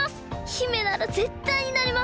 姫ならぜったいになれます！